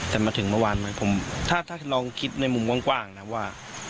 แต่มาถึงเมื่อวานผมถ้าถ้าลองคิดในมุมกว้างกว้างน่ะว่า